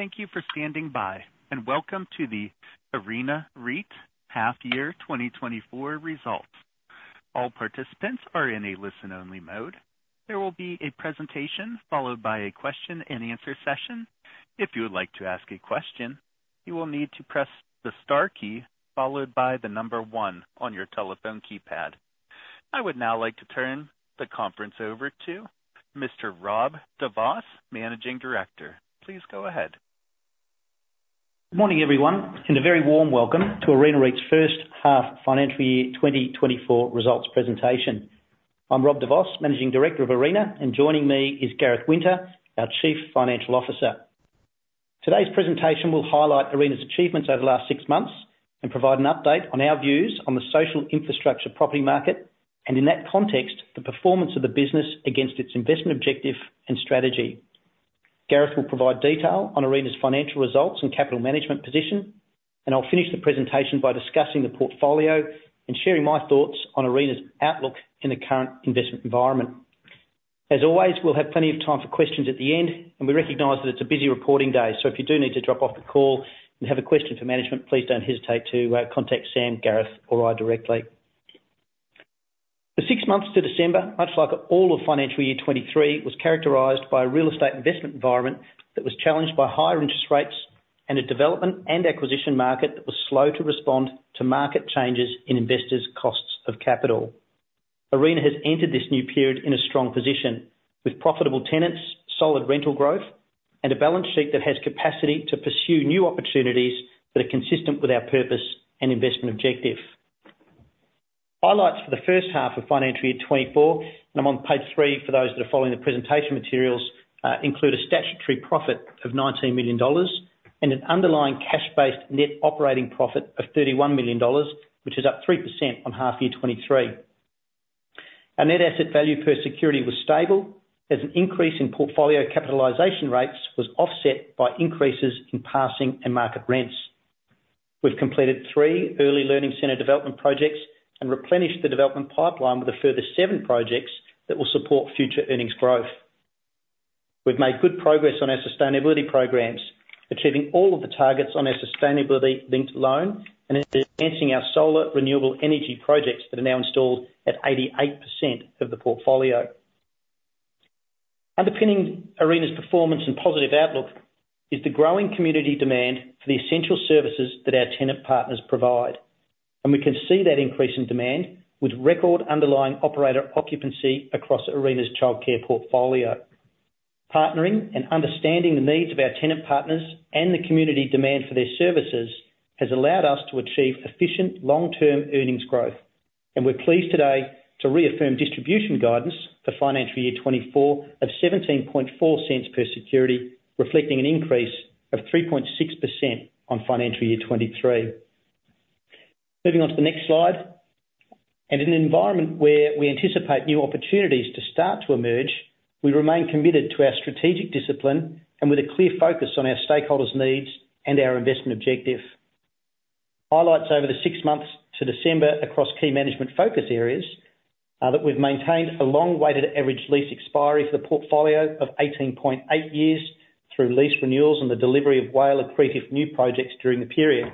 Thank you for standing by, and welcome to the Arena REIT half-year 2024 results. All participants are in a listen-only mode. There will be a presentation followed by a question-and-answer session. If you would like to ask a question, you will need to press the star key followed by the number 1 on your telephone keypad. I would now like to turn the conference over to Mr. Rob de Vos, Managing Director. Please go ahead. Good morning, everyone, and a very warm welcome to Arena REIT's first half-financial year 2024 results presentation. I'm Rob de Vos, Managing Director of Arena, and joining me is Gareth Winter, our Chief Financial Officer. Today's presentation will highlight Arena's achievements over the last six months and provide an update on our views on the social infrastructure property market, and in that context, the performance of the business against its investment objective and strategy. Gareth will provide detail on Arena's financial results and capital management position, and I'll finish the presentation by discussing the portfolio and sharing my thoughts on Arena's outlook in the current investment environment. As always, we'll have plenty of time for questions at the end, and we recognize that it's a busy reporting day, so if you do need to drop off the call and have a question for management, please don't hesitate to contact Sam, Gareth, or I directly. The six months to December, much like all of financial year 2023, was characterized by a real estate investment environment that was challenged by higher interest rates and a development and acquisition market that was slow to respond to market changes in investors' costs of capital. Arena has entered this new period in a strong position with profitable tenants, solid rental growth, and a balance sheet that has capacity to pursue new opportunities that are consistent with our purpose and investment objective. Highlights for the first half of financial year 2024, and I'm on page three for those that are following the presentation materials, include a statutory profit of 19 million dollars and an underlying cash-based net operating profit of 31 million dollars, which is up 3% on half-year 2023. Our net asset value per security was stable as an increase in portfolio capitalization rates was offset by increases in passing and market rents. We've completed three early learning centre development projects and replenished the development pipeline with a further seven projects that will support future earnings growth. We've made good progress on our sustainability programs, achieving all of the targets on our sustainability-linked loan and advancing our solar renewable energy projects that are now installed at 88% of the portfolio. Underpinning Arena's performance and positive outlook is the growing community demand for the essential services that our tenant partners provide, and we can see that increase in demand with record underlying operator occupancy across Arena's childcare portfolio. Partnering and understanding the needs of our tenant partners and the community demand for their services has allowed us to achieve efficient long-term earnings growth, and we're pleased today to reaffirm distribution guidance for financial year 2024 of 0.174 per security, reflecting an increase of 3.6% on financial year 2023. Moving on to the next slide. In an environment where we anticipate new opportunities to start to emerge, we remain committed to our strategic discipline and with a clear focus on our stakeholders' needs and our investment objective. Highlights over the six months to December across key management focus areas are that we've maintained a long-weighted average lease expiry for the portfolio of 18.8 years through lease renewals and the delivery of well-accretive new projects during the period.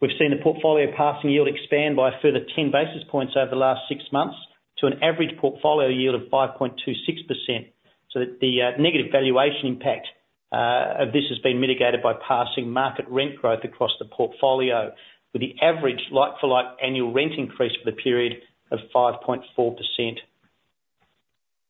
We've seen the portfolio passing yield expand by a further 10 basis points over the last six months to an average portfolio yield of 5.26%, so that the negative valuation impact of this has been mitigated by passing market rent growth across the portfolio, with the average like-for-like annual rent increase for the period of 5.4%.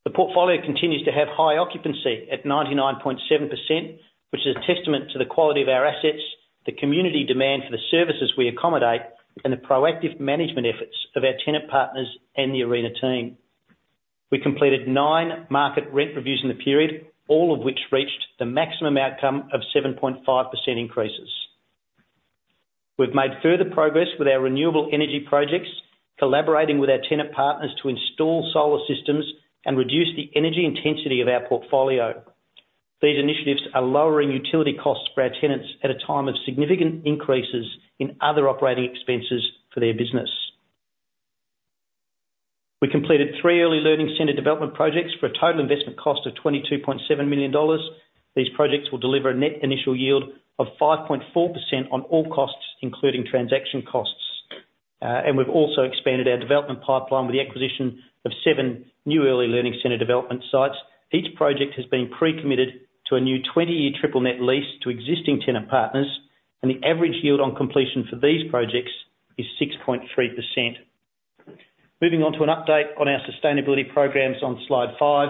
The portfolio continues to have high occupancy at 99.7%, which is a testament to the quality of our assets, the community demand for the services we accommodate, and the proactive management efforts of our tenant partners and the Arena team. We completed nine market rent reviews in the period, all of which reached the maximum outcome of 7.5% increases. We've made further progress with our renewable energy projects, collaborating with our tenant partners to install solar systems and reduce the energy intensity of our portfolio. These initiatives are lowering utility costs for our tenants at a time of significant increases in other operating expenses for their business. We completed three early learning center development projects for a total investment cost of 22.7 million dollars. These projects will deliver a net initial yield of 5.4% on all costs, including transaction costs. We've also expanded our development pipeline with the acquisition of seven new early learning center development sites. Each project has been pre-committed to a new 20-year triple net lease to existing tenant partners, and the average yield on completion for these projects is 6.3%. Moving on to an update on our sustainability programs on slide five.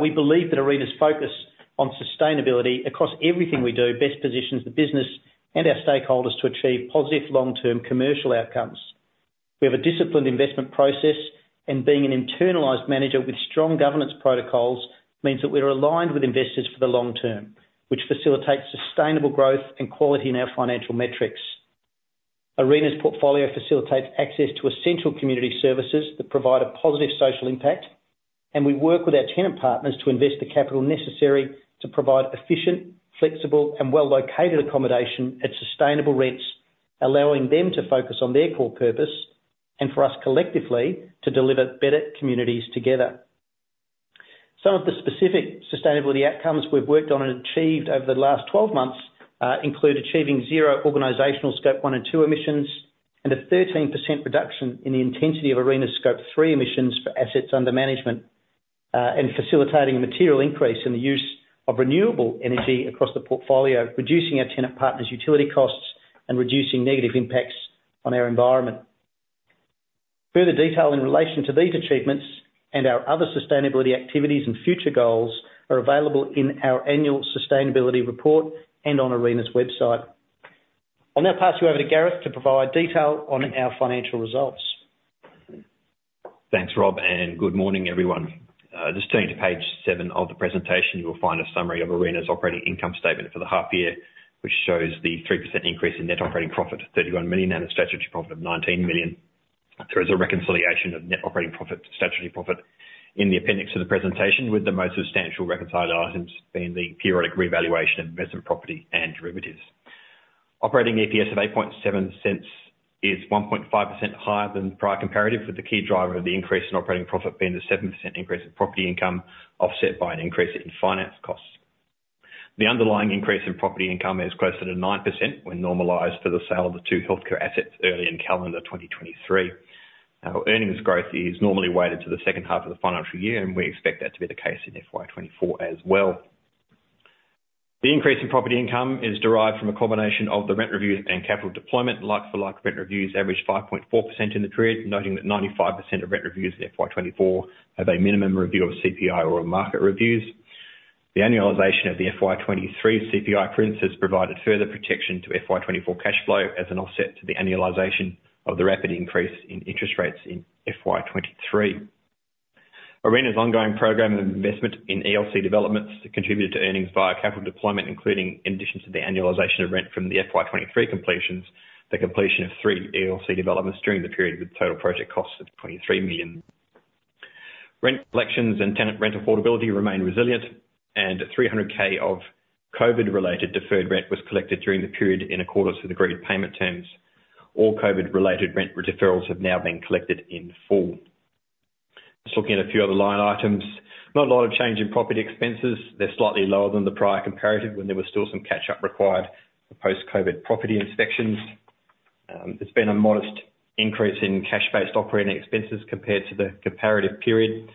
We believe that Arena's focus on sustainability across everything we do best positions the business and our stakeholders to achieve positive long-term commercial outcomes. We have a disciplined investment process, and being an internalized manager with strong governance protocols means that we're aligned with investors for the long term, which facilitates sustainable growth and quality in our financial metrics. Arena's portfolio facilitates access to essential community services that provide a positive social impact, and we work with our tenant partners to invest the capital necessary to provide efficient, flexible, and well-located accommodation at sustainable rents, allowing them to focus on their core purpose and for us collectively to deliver better communities together. Some of the specific sustainability outcomes we've worked on and achieved over the last 12 months include achieving 0 organizational Scope 1 and 2 emissions and a 13% reduction in the intensity of Arena's Scope 3 emissions for assets under management, and facilitating a material increase in the use of renewable energy across the portfolio, reducing our tenant partners' utility costs, and reducing negative impacts on our environment. Further detail in relation to these achievements and our other sustainability activities and future goals are available in our annual sustainability report and on Arena's website. I'll now pass you over to Gareth to provide detail on our financial results. Thanks, Rob, and good morning, everyone. Just turning to page 7 of the presentation, you will find a summary of Arena's operating income statement for the half-year, which shows the 3% increase in net operating profit, 31 million, and a statutory profit of 19 million. There is a reconciliation of net operating profit to statutory profit in the appendix to the presentation, with the most substantial reconciled items being the periodic revaluation of investment property and derivatives. Operating EPS of 0.087 is 1.5% higher than the prior comparative, with the key driver of the increase in operating profit being the 7% increase in property income offset by an increase in finance costs. The underlying increase in property income is closer to 9% when normalized for the sale of the two healthcare assets early in calendar 2023. Our earnings growth is normally weighted to the second half of the financial year, and we expect that to be the case in FY24 as well. The increase in property income is derived from a combination of the rent reviews and capital deployment. Like-for-like rent reviews average 5.4% in the period, noting that 95% of rent reviews in FY24 have a minimum review of CPI or market reviews. The annualisation of the FY23 CPI prints has provided further protection to FY24 cash flow as an offset to the annualisation of the rapid increase in interest rates in FY23. Arena's ongoing program of investment in ELC developments contributed to earnings via capital deployment, including in addition to the annualisation of rent from the FY23 completions, the completion of 3 ELC developments during the period with total project costs of 23 million. Rent collections and tenant rent affordability remain resilient, and 300,000 of COVID-related deferred rent was collected during the period in accordance with agreed payment terms. All COVID-related rent deferrals have now been collected in full. Just looking at a few other line items, not a lot of change in property expenses. They're slightly lower than the prior comparative when there was still some catch-up required for post-COVID property inspections. There's been a modest increase in cash-based operating expenses compared to the comparative period.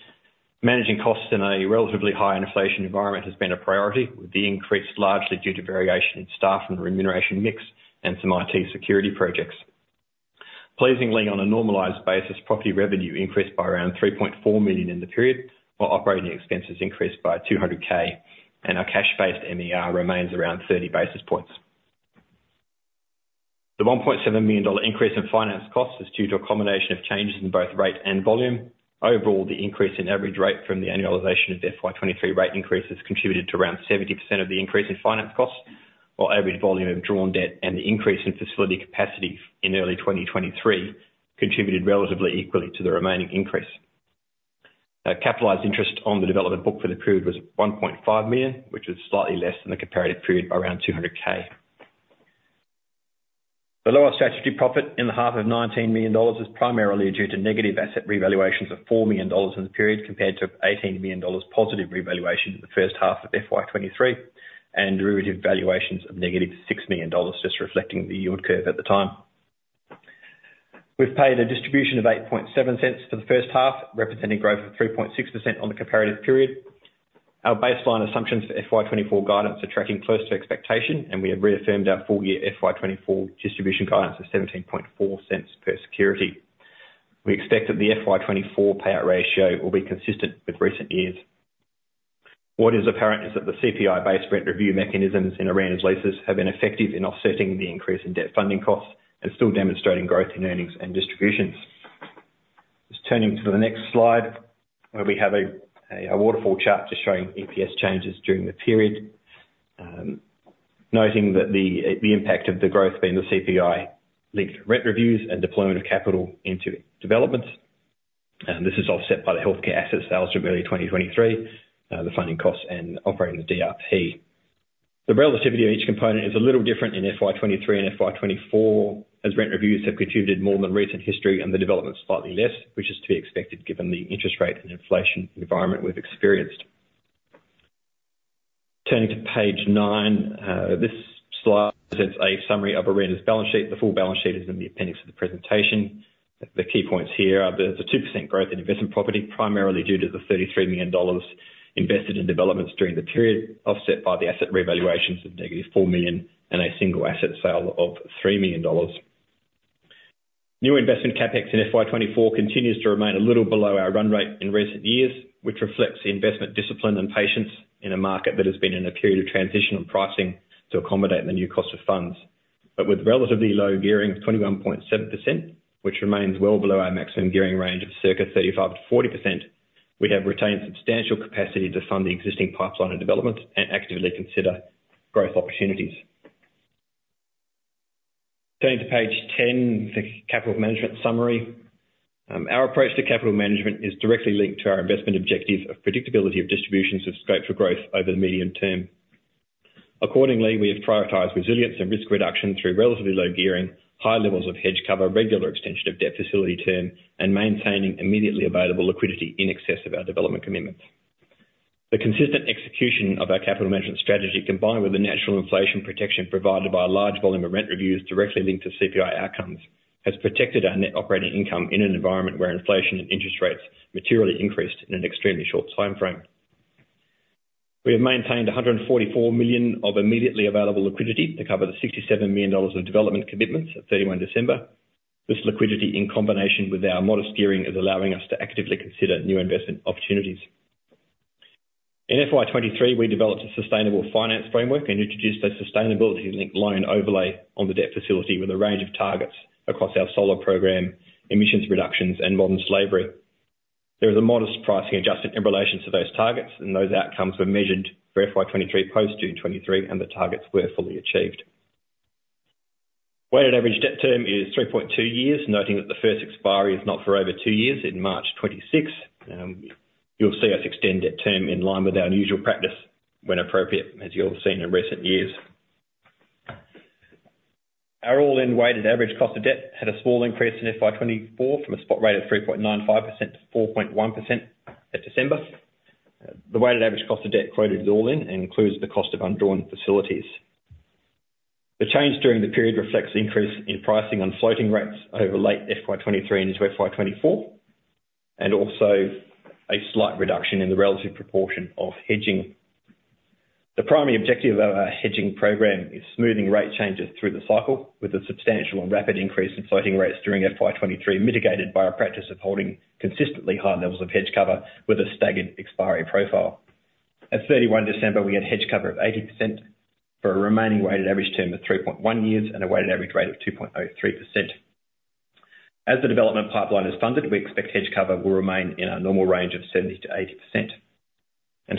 Managing costs in a relatively high inflation environment has been a priority, with the increase largely due to variation in staff and remuneration mix and some IT security projects. Pleasingly on a normalized basis, property revenue increased by around 3.4 million in the period, while operating expenses increased by 200,000, and our cash-based MER remains around 30 basis points. The 1.7 million dollar increase in finance costs is due to a combination of changes in both rate and volume. Overall, the increase in average rate from the annualization of FY23 rate increase has contributed to around 70% of the increase in finance costs, while average volume of drawn debt and the increase in facility capacity in early 2023 contributed relatively equally to the remaining increase. Capitalized interest on the development book for the period was 1.5 million, which was slightly less than the comparative period by around 200,000. The lower statutory profit in the half of 19 million dollars is primarily due to negative asset revaluations of 4 million dollars in the period compared to 18 million dollars positive revaluation in the first half of FY23 and derivative valuations of negative 6 million dollars, just reflecting the yield curve at the time. We've paid a distribution of 0.087 for the first half, representing growth of 3.6% on the comparative period. Our baseline assumptions for FY24 guidance are tracking close to expectation, and we have reaffirmed our full-year FY24 distribution guidance of 0.174 per security. We expect that the FY24 payout ratio will be consistent with recent years. What is apparent is that the CPI-based rent review mechanisms in Arena's leases have been effective in offsetting the increase in debt funding costs and still demonstrating growth in earnings and distributions. Just turning to the next slide, where we have a waterfall chart just showing EPS changes during the period, noting that the impact of the growth being the CPI-linked rent reviews and deployment of capital into developments. This is offset by the healthcare asset sales from early 2023, the funding costs, and operating the DRP. The relativity of each component is a little different in FY23 and FY24, as rent reviews have contributed more than recent history and the developments slightly less, which is to be expected given the interest rate and inflation environment we've experienced. Turning to page 9, this slide presents a summary of Arena's balance sheet. The full balance sheet is in the appendix of the presentation. The key points here are there's a 2% growth in investment property, primarily due to the 33 million dollars invested in developments during the period, offset by the asset revaluations of negative 4 million and a single asset sale of 3 million dollars. New investment CapEx in FY24 continues to remain a little below our run rate in recent years, which reflects the investment discipline and patience in a market that has been in a period of transition on pricing to accommodate the new cost of funds. But with relatively low gearing of 21.7%, which remains well below our maximum gearing range of circa 35%-40%, we have retained substantial capacity to fund the existing pipeline of developments and actively consider growth opportunities. Turning to page 10, the capital management summary. Our approach to capital management is directly linked to our investment objective of predictability of distributions of scope for growth over the medium term. Accordingly, we have prioritized resilience and risk reduction through relatively low gearing, high levels of hedge cover, regular extension of debt facility term, and maintaining immediately available liquidity in excess of our development commitments. The consistent execution of our capital management strategy, combined with the natural inflation protection provided by a large volume of rent reviews directly linked to CPI outcomes, has protected our net operating income in an environment where inflation and interest rates materially increased in an extremely short timeframe. We have maintained 144 million of immediately available liquidity to cover the 67 million dollars of development commitments of 31 December. This liquidity, in combination with our modest gearing, is allowing us to actively consider new investment opportunities. In FY23, we developed a sustainable finance framework and introduced a sustainability-linked loan overlay on the debt facility with a range of targets across our solar program, emissions reductions, and modern slavery. There was a modest pricing adjustment in relation to those targets, and those outcomes were measured for FY23 post-June 2023, and the targets were fully achieved. Weighted average debt term is 3.2 years, noting that the first expiry is not for over 2 years, in March 2026. You'll see us extend debt term in line with our unusual practice when appropriate, as you'll have seen in recent years. Our all-in weighted average cost of debt had a small increase in FY24 from a spot rate of 3.95% to 4.1% at December. The weighted average cost of debt quoted as all-in includes the cost of undrawn facilities. The change during the period reflects increase in pricing on floating rates over late FY23 into FY24 and also a slight reduction in the relative proportion of hedging. The primary objective of our hedging program is smoothing rate changes through the cycle, with a substantial and rapid increase in floating rates during FY23 mitigated by our practice of holding consistently high levels of hedge cover with a staggered expiry profile. At 31 December, we had hedge cover of 80% for a remaining weighted average term of 3.1 years and a weighted average rate of 2.03%. As the development pipeline is funded, we expect hedge cover will remain in our normal range of 70%-80%.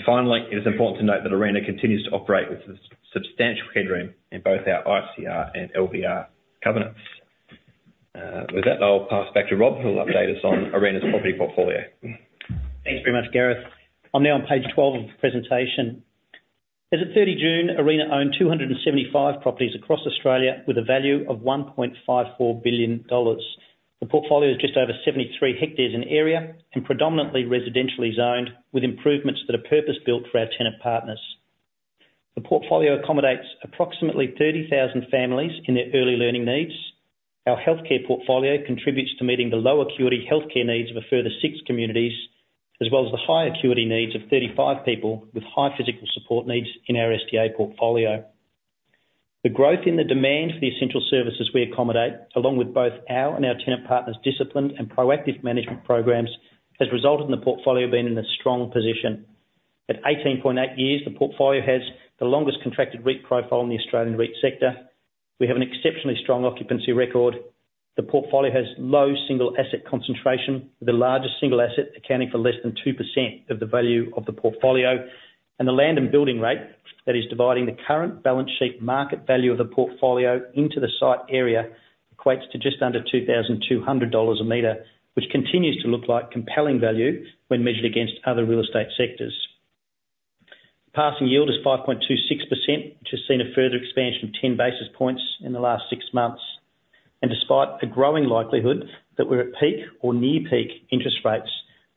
Finally, it is important to note that Arena continues to operate with substantial headroom in both our ICR and LVR covenants. With that, I'll pass back to Rob, who'll update us on Arena's property portfolio. Thanks very much, Gareth. I'm now on page 12 of the presentation. As of 30 June, Arena owned 275 properties across Australia with a value of 1.54 billion dollars. The portfolio is just over 73 hectares in area and predominantly residentially zoned, with improvements that are purpose-built for our tenant partners. The portfolio accommodates approximately 30,000 families in their early learning needs. Our healthcare portfolio contributes to meeting the low acuity healthcare needs of a further six communities, as well as the high acuity needs of 35 people with high physical support needs in our SDA portfolio. The growth in the demand for the essential services we accommodate, along with both our and our tenant partners' disciplined and proactive management programs, has resulted in the portfolio being in a strong position. At 18.8 years, the portfolio has the longest contracted REIT profile in the Australian REIT sector. We have an exceptionally strong occupancy record. The portfolio has low single asset concentration, with the largest single asset accounting for less than 2% of the value of the portfolio. The land and building rate that is dividing the current balance sheet market value of the portfolio into the site area equates to just under 2,200 dollars a metre, which continues to look like compelling value when measured against other real estate sectors. The passing yield is 5.26%, which has seen a further expansion of 10 basis points in the last 6 months. Despite a growing likelihood that we're at peak or near peak interest rates,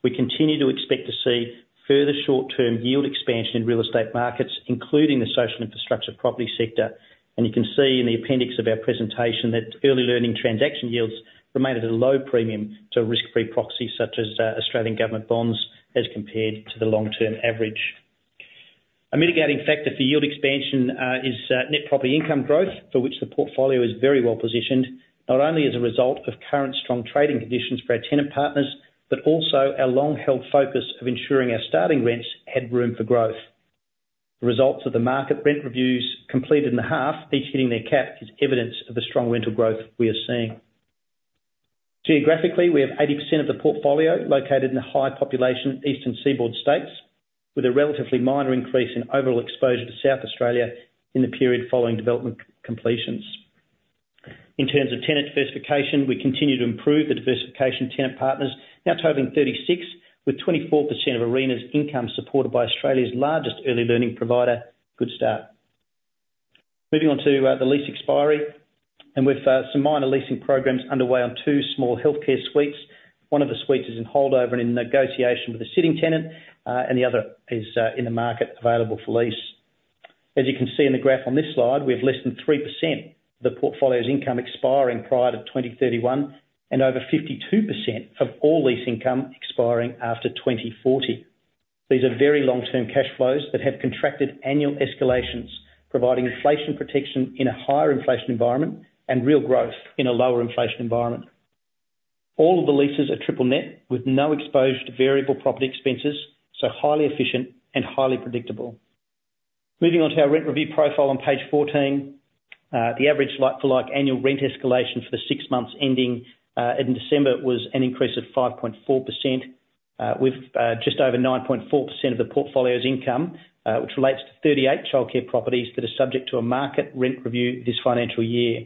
we continue to expect to see further short-term yield expansion in real estate markets, including the social infrastructure property sector. You can see in the appendix of our presentation that early learning transaction yields remained at a low premium to risk-free proxies such as Australian government bonds as compared to the long-term average. A mitigating factor for yield expansion is net property income growth, for which the portfolio is very well positioned, not only as a result of current strong trading conditions for our tenant partners, but also our long-held focus of ensuring our starting rents had room for growth. The results of the market rent reviews completed in the half, each hitting their cap, is evidence of the strong rental growth we are seeing. Geographically, we have 80% of the portfolio located in the high-population eastern seaboard states, with a relatively minor increase in overall exposure to South Australia in the period following development completions. In terms of tenant diversification, we continue to improve the diversification of tenant partners, now totaling 36, with 24% of Arena's income supported by Australia's largest early learning provider, Goodstart. Moving on to the lease expiry, and we've some minor leasing programs underway on two small healthcare suites. One of the suites is in holdover and in negotiation with a sitting tenant, and the other is in the market available for lease. As you can see in the graph on this slide, we have less than 3% of the portfolio's income expiring prior to 2031 and over 52% of all lease income expiring after 2040. These are very long-term cash flows that have contracted annual escalations, providing inflation protection in a higher inflation environment and real growth in a lower inflation environment. All of the leases are triple net, with no exposure to variable property expenses, so highly efficient and highly predictable. Moving on to our rent review profile on page 14, the average like-for-like annual rent escalation for the six months ending in December was an increase of 5.4%, with just over 9.4% of the portfolio's income, which relates to 38 child care properties that are subject to a market rent review this financial year.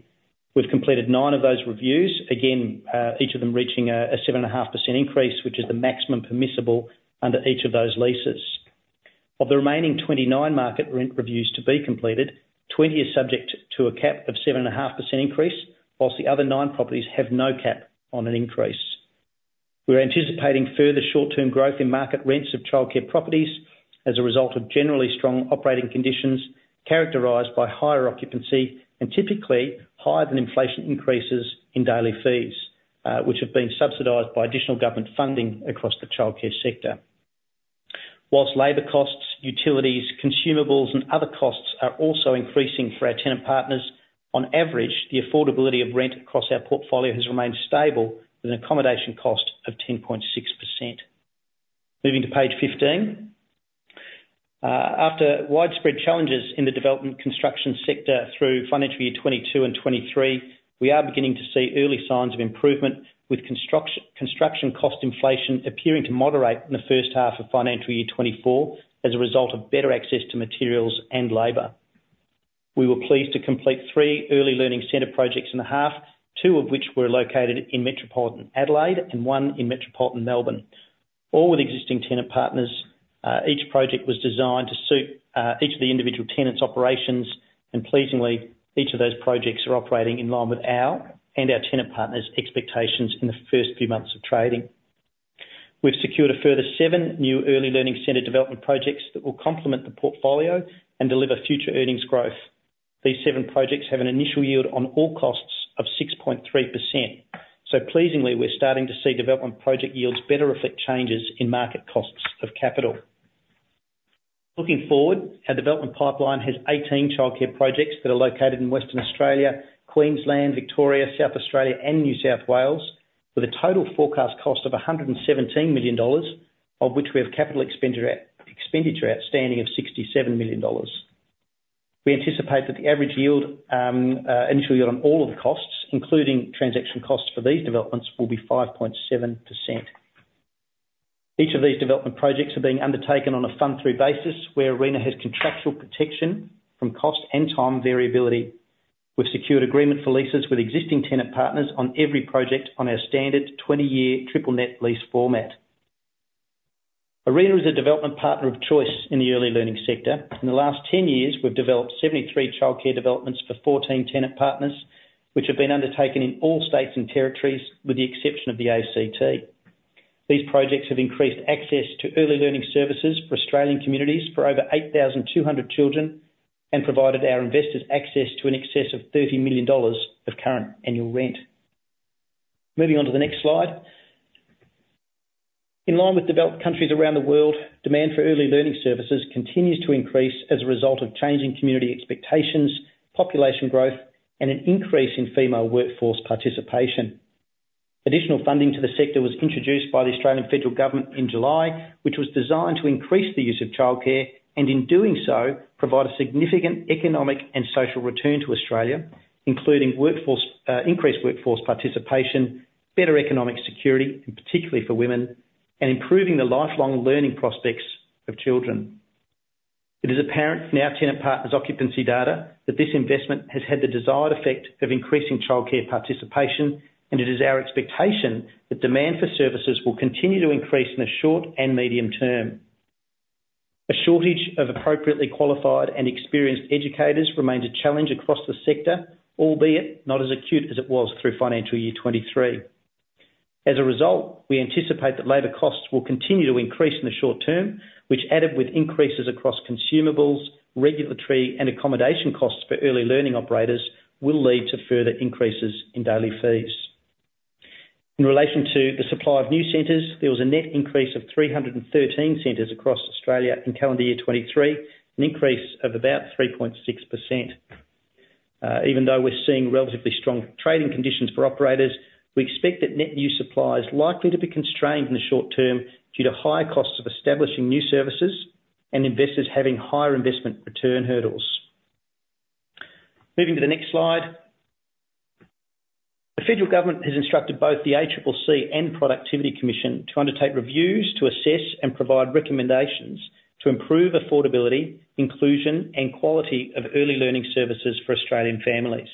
We've completed 9 of those reviews, again each of them reaching a 7.5% increase, which is the maximum permissible under each of those leases. Of the remaining 29 market rent reviews to be completed, 20 are subject to a cap of 7.5% increase, while the other 9 properties have no cap on an increase. We're anticipating further short-term growth in market rents of childcare properties as a result of generally strong operating conditions characterized by higher occupancy and typically higher than inflation increases in daily fees, which have been subsidized by additional government funding across the childcare sector. While labor costs, utilities, consumables, and other costs are also increasing for our tenant partners, on average, the affordability of rent across our portfolio has remained stable with an accommodation cost of 10.6%. Moving to page 15, after widespread challenges in the development construction sector through financial year 2022 and 2023, we are beginning to see early signs of improvement, with construction cost inflation appearing to moderate in the first half of financial year 2024 as a result of better access to materials and labor. We were pleased to complete 3 early learning center projects in the half, 2 of which were located in Metropolitan Adelaide and 1 in Metropolitan Melbourne, all with existing tenant partners. Each project was designed to suit each of the individual tenants' operations, and pleasingly, each of those projects are operating in line with our and our tenant partners' expectations in the first few months of trading. We've secured a further 7 new early learning center development projects that will complement the portfolio and deliver future earnings growth. These 7 projects have an initial yield on all costs of 6.3%. So pleasingly, we're starting to see development project yields better reflect changes in market costs of capital. Looking forward, our development pipeline has 18 childcare projects that are located in Western Australia, Queensland, Victoria, South Australia, and New South Wales, with a total forecast cost of 117 million dollars, of which we have capital expenditure outstanding of 67 million dollars. We anticipate that the average initial yield on all of the costs, including transaction costs for these developments, will be 5.7%. Each of these development projects are being undertaken on a fund-through basis, where Arena has contractual protection from cost and time variability. We've secured agreement for leases with existing tenant partners on every project on our standard 20-year triple net lease format. Arena is a development partner of choice in the early learning sector. In the last 10 years, we've developed 73 childcare developments for 14 tenant partners, which have been undertaken in all states and territories with the exception of the ACT. These projects have increased access to early learning services for Australian communities for over 8,200 children and provided our investors access to an excess of 30 million dollars of current annual rent. Moving on to the next slide, in line with developed countries around the world, demand for early learning services continues to increase as a result of changing community expectations, population growth, and an increase in female workforce participation. Additional funding to the sector was introduced by the Australian Federal Government in July, which was designed to increase the use of childcare and, in doing so, provide a significant economic and social return to Australia, including increased workforce participation, better economic security, and particularly for women, and improving the lifelong learning prospects of children. It is apparent from our tenant partners' occupancy data that this investment has had the desired effect of increasing childcare participation, and it is our expectation that demand for services will continue to increase in the short and medium term. A shortage of appropriately qualified and experienced educators remains a challenge across the sector, albeit not as acute as it was through financial year 2023. As a result, we anticipate that labor costs will continue to increase in the short term, which, added with increases across consumables, regulatory, and accommodation costs for early learning operators, will lead to further increases in daily fees. In relation to the supply of new centers, there was a net increase of 313 centers across Australia in calendar year 2023, an increase of about 3.6%. Even though we're seeing relatively strong trading conditions for operators, we expect that net new supply is likely to be constrained in the short term due to higher costs of establishing new services and investors having higher investment return hurdles. Moving to the next slide, the Federal Government has instructed both the ACCC and Productivity Commission to undertake reviews to assess and provide recommendations to improve affordability, inclusion, and quality of early learning services for Australian families.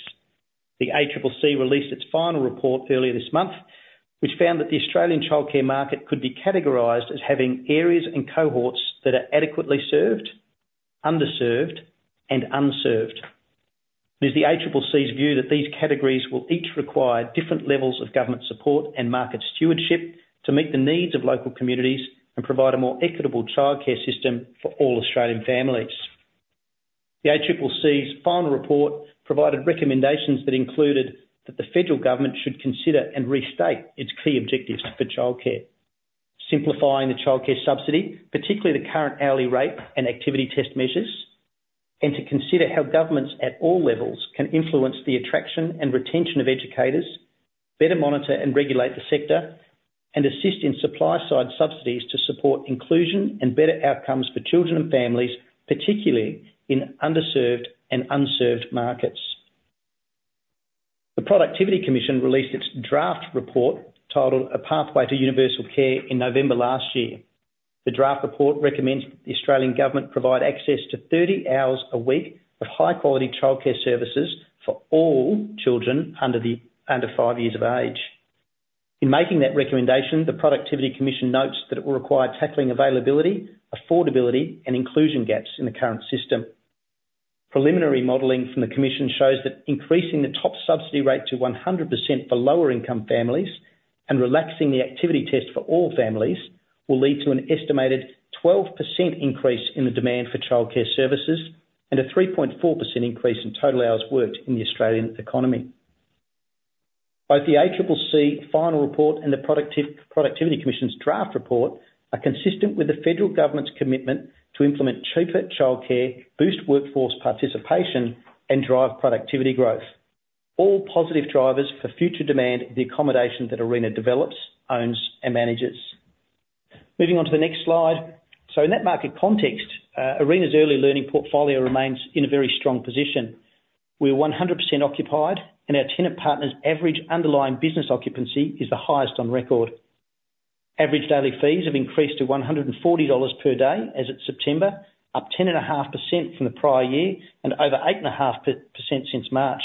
The ACCC released its final report earlier this month, which found that the Australian childcare market could be categorized as having areas and cohorts that are adequately served, underserved, and unserved. It is the ACCC's view that these categories will each require different levels of government support and market stewardship to meet the needs of local communities and provide a more equitable childcare system for all Australian families. The ACCC's final report provided recommendations that included that the Federal Government should consider and restate its key objectives for childcare, simplifying the Child Care Subsidy, particularly the current hourly rate and activity test measures, and to consider how governments at all levels can influence the attraction and retention of educators, better monitor and regulate the sector, and assist in supply-side subsidies to support inclusion and better outcomes for children and families, particularly in underserved and unserved markets. The Productivity Commission released its draft report titled "A Pathway to Universal Care" in November last year. The draft report recommends that the Australian Government provide access to 30 hours a week of high-quality childcare services for all children under five years of age. In making that recommendation, the Productivity Commission notes that it will require tackling availability, affordability, and inclusion gaps in the current system. Preliminary modeling from the Commission shows that increasing the top subsidy rate to 100% for lower-income families and relaxing the activity test for all families will lead to an estimated 12% increase in the demand for childcare services and a 3.4% increase in total hours worked in the Australian economy. Both the ACCC final report and the Productivity Commission's draft report are consistent with the Federal Government's commitment to implement cheaper childcare, boost workforce participation, and drive productivity growth, all positive drivers for future demand of the accommodation that Arena develops, owns, and manages. Moving on to the next slide, so in that market context, Arena's early learning portfolio remains in a very strong position. We are 100% occupied, and our tenant partners' average underlying business occupancy is the highest on record. Average daily fees have increased to 140 dollars per day as of September, up 10.5% from the prior year and over 8.5% since March.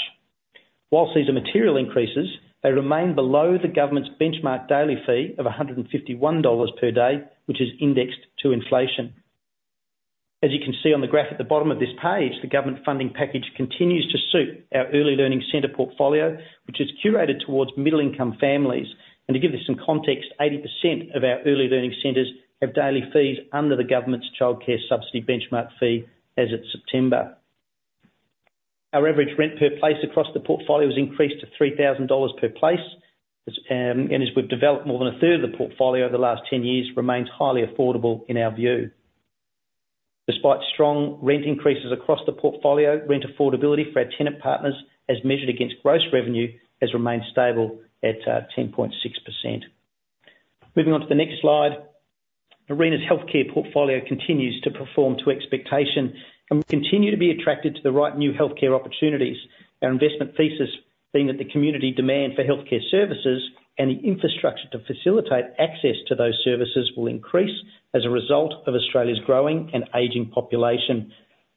While these are material increases, they remain below the government's benchmark daily fee of 151 dollars per day, which is indexed to inflation. As you can see on the graph at the bottom of this page, the government funding package continues to suit our early learning center portfolio, which is curated towards middle-income families. And to give this some context, 80% of our early learning centers have daily fees under the government's Child Care Subsidy benchmark fee as of September. Our average rent per place across the portfolio has increased to 3,000 dollars per place, and as we've developed more than a third of the portfolio over the last 10 years, it remains highly affordable in our view. Despite strong rent increases across the portfolio, rent affordability for our tenant partners, as measured against gross revenue, has remained stable at 10.6%. Moving on to the next slide, Arena's healthcare portfolio continues to perform to expectation, and we continue to be attracted to the right new healthcare opportunities, our investment thesis being that the community demand for healthcare services and the infrastructure to facilitate access to those services will increase as a result of Australia's growing and aging population,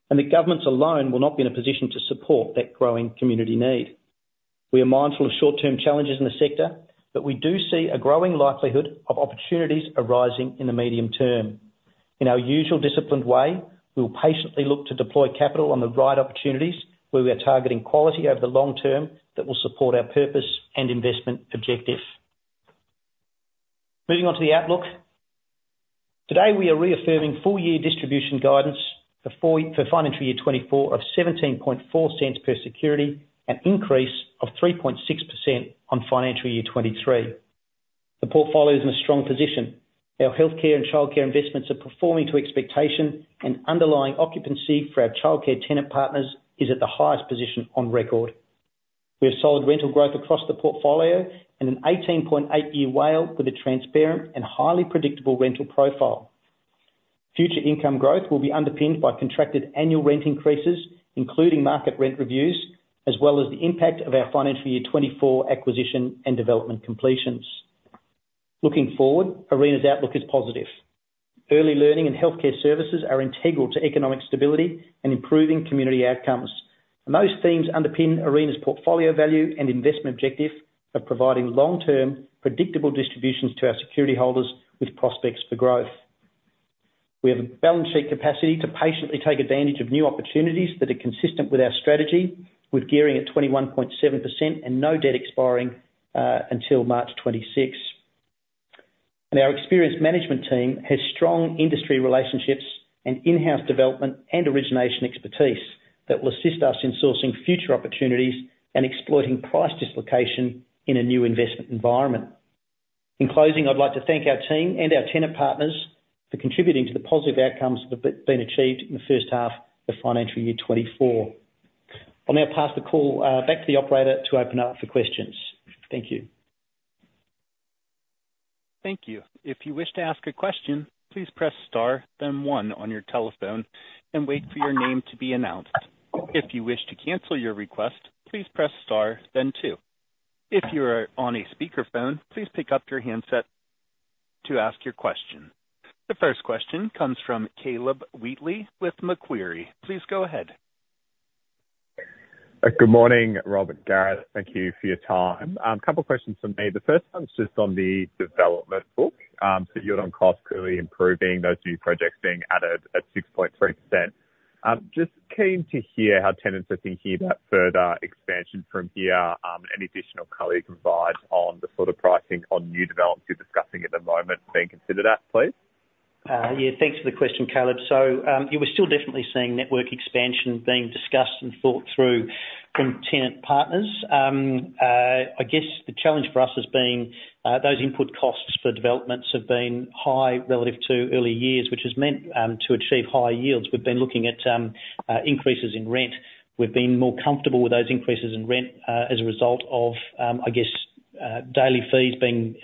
and the governments alone will not be in a position to support that growing community need. We are mindful of short-term challenges in the sector, but we do see a growing likelihood of opportunities arising in the medium term. In our usual disciplined way, we will patiently look to deploy capital on the right opportunities where we are targeting quality over the long term that will support our purpose and investment objective. Moving on to the outlook, today we are reaffirming full-year distribution guidance for financial year 2024 of 0.174 per security and an increase of 3.6% on financial year 2023. The portfolio is in a strong position. Our healthcare and childcare investments are performing to expectation, and underlying occupancy for our childcare tenant partners is at the highest position on record. We have solid rental growth across the portfolio and an 18.8-year WALE with a transparent and highly predictable rental profile. Future income growth will be underpinned by contracted annual rent increases, including market rent reviews, as well as the impact of our financial year 2024 acquisition and development completions. Looking forward, Arena's outlook is positive. Early learning and healthcare services are integral to economic stability and improving community outcomes, and those themes underpin Arena's portfolio value and investment objective of providing long-term, predictable distributions to our security holders with prospects for growth. We have a balance sheet capacity to patiently take advantage of new opportunities that are consistent with our strategy, with gearing at 21.7% and no debt expiring until March '26. Our experienced management team has strong industry relationships and in-house development and origination expertise that will assist us in sourcing future opportunities and exploiting price dislocation in a new investment environment. In closing, I'd like to thank our team and our tenant partners for contributing to the positive outcomes that have been achieved in the first half of financial year 2024. I'll now pass the call back to the operator to open up for questions. Thank you. Thank you. If you wish to ask a question, please press star, then one on your telephone, and wait for your name to be announced. If you wish to cancel your request, please press star, then two. If you are on a speakerphone, please pick up your handset to ask your question. The first question comes from Caleb Wheatley with Macquarie. Please go ahead. Good morning, Robert. Gareth, thank you for your time. A couple of questions for me. The first one's just on the development book. So you're on cost, clearly improving, those new projects being added at 6.3%. Just keen to hear how tenants are seeing that further expansion from here and any additional color you can provide on the sort of pricing on new developments you're discussing at the moment being considered at, please. Yeah, thanks for the question, Caleb. So you were still definitely seeing network expansion being discussed and thought through from tenant partners. I guess the challenge for us has been those input costs for developments have been high relative to early years, which has meant to achieve higher yields. We've been looking at increases in rent. We've been more comfortable with those increases in rent as a result of, I guess, daily fees being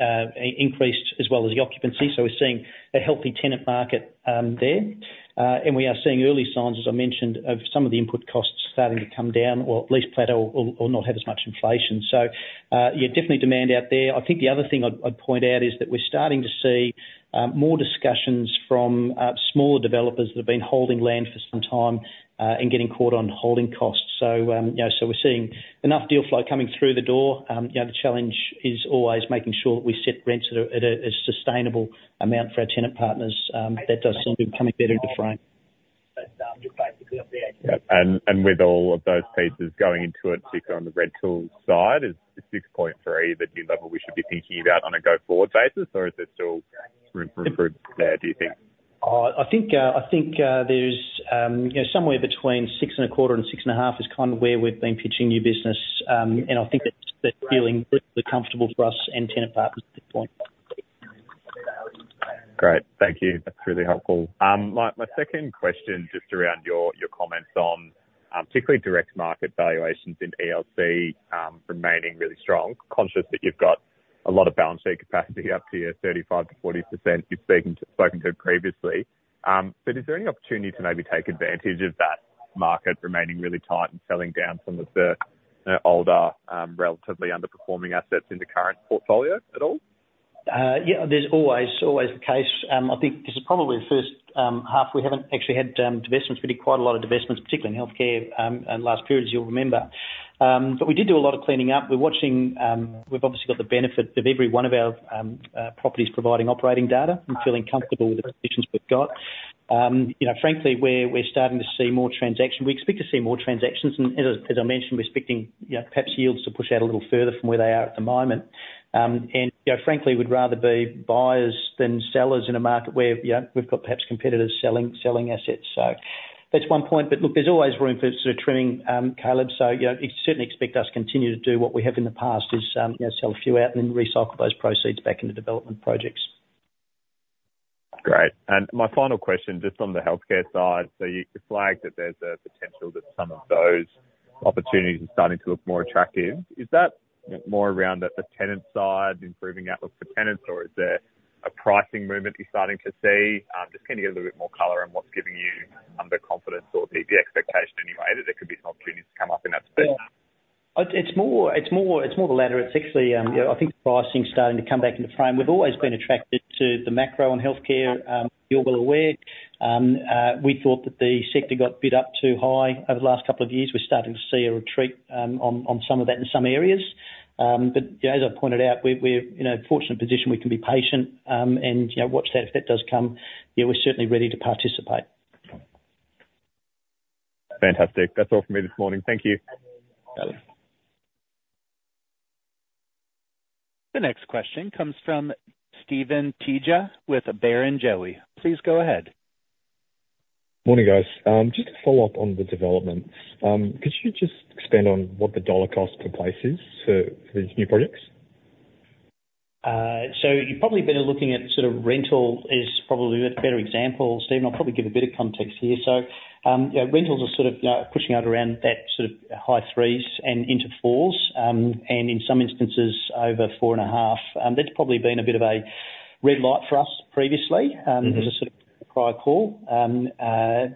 increased as well as the occupancy. So we're seeing a healthy tenant market there. And we are seeing early signs, as I mentioned, of some of the input costs starting to come down or at least plateau or not have as much inflation. So yeah, definitely demand out there. I think the other thing I'd point out is that we're starting to see more discussions from smaller developers that have been holding land for some time and getting caught on holding costs. So we're seeing enough deal flow coming through the door. The challenge is always making sure that we set rents at a sustainable amount for our tenant partners. That does seem to be coming better into frame. With all of those pieces going into it, particularly on the rental side, is 6.3 the new level we should be thinking about on a go-forward basis, or is there still room for improvement there, do you think? I think there's somewhere between 6.25 and 6.5 is kind of where we've been pitching new business. I think that's feeling really comfortable for us and tenant partners at this point. Great. Thank you. That's really helpful. My second question just around your comments on particularly direct market valuations in ELC remaining really strong, conscious that you've got a lot of balance sheet capacity up to here, 35%-40% you've spoken to previously. But is there any opportunity to maybe take advantage of that market remaining really tight and selling down some of the older, relatively underperforming assets in the current portfolio at all? Yeah, there's always the case. I think this is probably the first half. We haven't actually had quite a lot of divestments, particularly in healthcare in the last period, as you'll remember. But we did do a lot of cleaning up. We've obviously got the benefit of every one of our properties providing operating data and feeling comfortable with the positions we've got. Frankly, we're starting to see more transactions. We expect to see more transactions. And as I mentioned, we're expecting perhaps yields to push out a little further from where they are at the moment. And frankly, we'd rather be buyers than sellers in a market where we've got perhaps competitors selling assets. So that's one point. But look, there's always room for sort of trimming, Caleb. You certainly expect us to continue to do what we have in the past, is sell a few out and then recycle those proceeds back into development projects. Great. My final question, just on the healthcare side, so you flagged that there's a potential that some of those opportunities are starting to look more attractive. Is that more around the tenant side, improving outlook for tenants, or is there a pricing movement you're starting to see? Just keen to get a little bit more color on what's giving you the confidence or the expectation anyway, that there could be some opportunities to come up in that space? It's more the latter. It's actually, I think, pricing starting to come back into frame. We've always been attracted to the macro on healthcare, you're well aware. We thought that the sector got bid up too high over the last couple of years. We're starting to see a retreat on some of that in some areas. But as I pointed out, we're in a fortunate position. We can be patient and watch that. If that does come, we're certainly ready to participate. Fantastic. That's all from me this morning. Thank you. The next question comes from Steven Tjia with Barrenjoey. Please go ahead. Morning, guys. Just a follow-up on the developments. Could you just expand on what the dollar cost per place is for these new projects? So you've probably been looking at sort of rental is probably a better example. Steven, I'll probably give a bit of context here. So rentals are sort of pushing out around that sort of high threes and into fours, and in some instances, over 4.5. That's probably been a bit of a red light for us previously as a sort of prior call.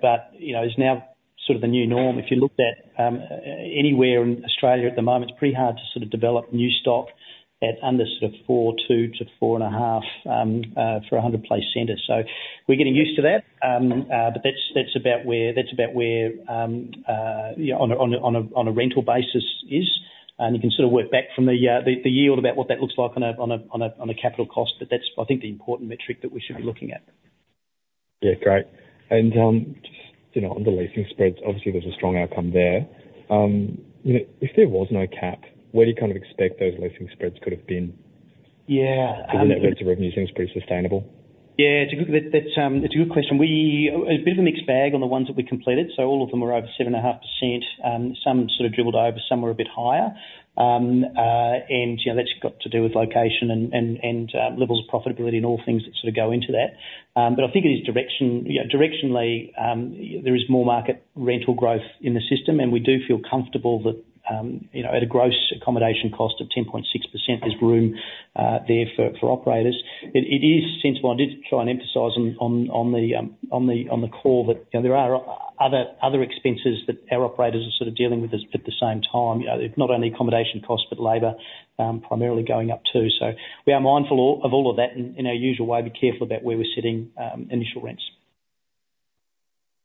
But it's now sort of the new norm. If you looked at anywhere in Australia at the moment, it's pretty hard to sort of develop new stock at under sort of 4.2-4.5 for a 100-place center. So we're getting used to that. But that's about where on a rental basis is. And you can sort of work back from the yield about what that looks like on a capital cost. That's, I think, the important metric that we should be looking at. Yeah, great. And just on the leasing spreads, obviously, there's a strong outcome there. If there was no cap, where do you kind of expect those leasing spreads could have been? Given that rental revenue seems pretty sustainable. Yeah, it's a good question. A bit of a mixed bag on the ones that we completed. So all of them were over 7.5%. Some sort of dribbled over. Some were a bit higher. And that's got to do with location and levels of profitability and all things that sort of go into that. But I think it is directionally, there is more market rental growth in the system, and we do feel comfortable that at a gross accommodation cost of 10.6%, there's room there for operators. It is sensible. I did try and emphasize on the core that there are other expenses that our operators are sort of dealing with at the same time. Not only accommodation costs, but labor primarily going up too. So we are mindful of all of that and, in our usual way, be careful about where we're setting initial rents.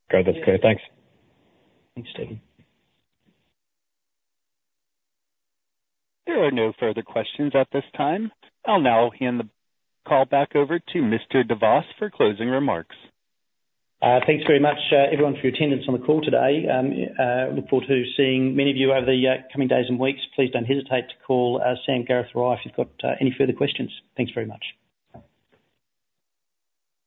Great. That's clear. Thanks. Thanks, Stephen. There are no further questions at this time. I'll now hand the call back over to Mr. de Vos for closing remarks. Thanks very much, everyone, for your attendance on the call today. Look forward to seeing many of you over the coming days and weeks. Please don't hesitate to call Sam, Gareth, or I if you've got any further questions. Thanks very much.